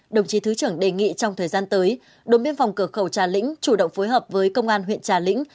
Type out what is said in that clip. đồng chí thứ trưởng đề nghị trong thời gian tới đồn biên phòng cửa khẩu trà lĩnh chủ động phối hợp với công an huyện trà lĩnh